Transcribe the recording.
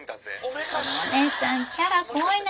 このお姉ちゃんキャラ濃いな。